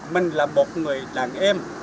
mình là một người đàn em